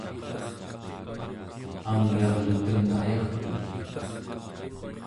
angyarluteng ayagtut